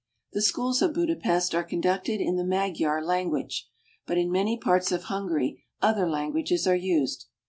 The schools of Budapest are conducted in the Magyar language, but in many parts of Hungary other languages are used.